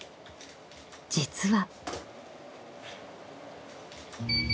［実は］